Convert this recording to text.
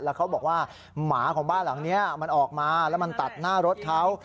แล้วเขาบอกว่าหมาของบ้านหลังนี้มันออกมาแล้วมันตัดหน้ารถเขา